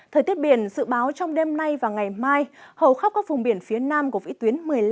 thời tiết biển dự báo trong đêm nay và ngày mai hầu khắp các vùng biển phía nam của vĩ tuyến một mươi năm